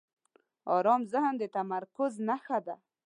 آرام ذهن د تمرکز نښه ده.